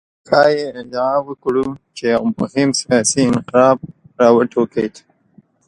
ښايي ادعا وکړو چې یو مهم سیاسي انقلاب راوټوکېد.